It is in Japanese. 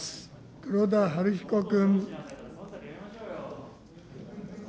黒田東彦君。